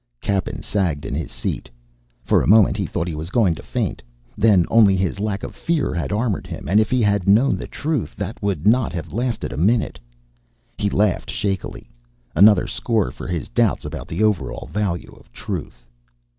Cappen sagged in his seat. For a moment he thought he was going to faint. Then only his lack of fear had armored him; and if he had known the truth, that would not have lasted a minute. He laughed shakily. Another score for his doubts about the overall value of truth!